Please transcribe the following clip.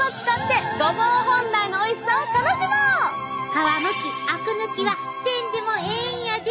皮むきあく抜きはせんでもええんやで！